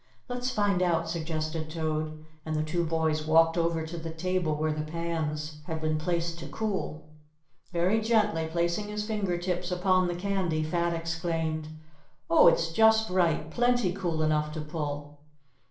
"Let's find out," suggested Toad, and the two boys walked over to the table where the pans had been placed to cool. Very gently placing his finger tips upon the candy, Fat exclaimed: "Oh, it's just right; plenty cool enough to pull."